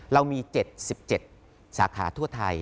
เรามี๗๗สาขาทั่วไทย